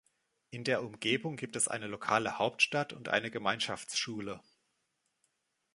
In der Umgebung gibt es eine lokale Hauptstadt und eine Gemeinschaftsschule.